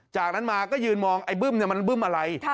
จากนั้นมาก็ยืนมองไอ้บึ้มมันบึ้มอะไร